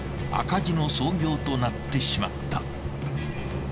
赤字の操業となってしまった。